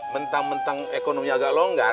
mentang mentang ekonomi agak longgar